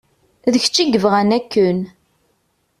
D kečč i yebɣan akken.